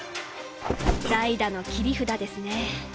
代打の切り札ですね。